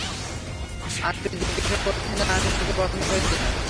আর তুই জিজ্ঞেসও করতি না আমি তোকে পছন্দ করি কিনা।